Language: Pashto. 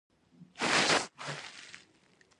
کله چې په پېښور کې د لارډ لیټن ځوابونه ولولي.